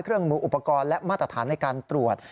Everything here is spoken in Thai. เครื่องมืออุปกรณ์และมาตรฐานในการตรวจ